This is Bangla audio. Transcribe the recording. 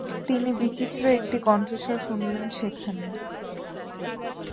তিনি বিচিত্র একটি কণ্ঠস্বর শুনলেন সেখানে।